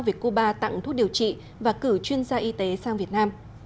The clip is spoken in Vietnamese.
về cuba tặng thuốc điều trị và cử chuyên gia y tế sang việt nam